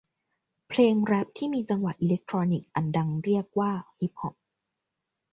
เพลงแร็พที่มีจังหวะอิเล็กทรอนิกส์อันดังเรียกว่าฮิปฮอป